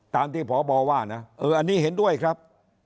ตามที่พบว่านะเอออันนี้เห็นด้วยครับ